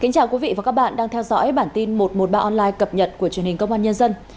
chào mừng quý vị đến với bản tin một trăm một mươi ba online cập nhật của truyền hình công an nhân dân